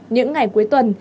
những ngày cuối tuần